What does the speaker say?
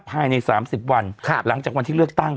ภายใน๓๐วันหลังจากวันที่เลือกตั้ง